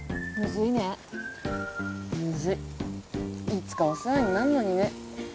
いつかお世話になんのにね。